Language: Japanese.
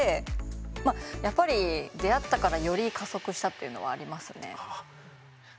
まあやっぱり出会ったからより加速したっていうのはありますね。